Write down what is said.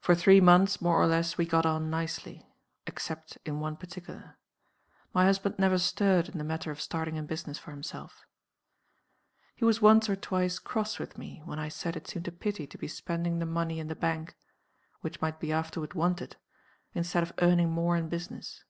"For three months, more or less, we got on nicely except in one particular. My husband never stirred in the matter of starting in business for himself. "He was once or twice cross with me when I said it seemed a pity to be spending the money in the bank (which might be afterward wanted) instead of earning more in business.